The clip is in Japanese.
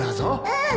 うん。